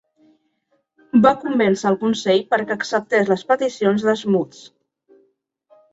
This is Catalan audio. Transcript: Va convèncer el consell perquè acceptés les peticions de Smuts.